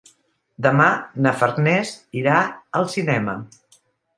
Demà na Farners irà al cinema.